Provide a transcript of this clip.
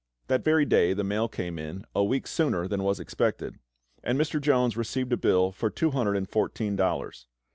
That very day the mail came in, a week sooner than was expected, and Mr. Jones received a bill for two hundred and fourteen dollars.